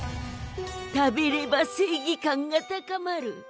食べれば正義感が高まる。